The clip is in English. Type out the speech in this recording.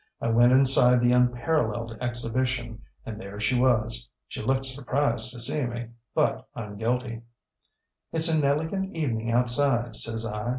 I went inside the Unparalleled Exhibition, and there she was. She looked surprised to see me, but unguilty. ŌĆ£ŌĆśItŌĆÖs an elegant evening outside, ŌĆÖ says I.